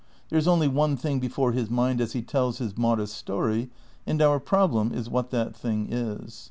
.. There is only one thing before his mind as ho tells his modest story, and our problem is what that thing is.